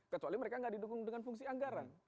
kecuali mereka nggak didukung dengan fungsi anggaran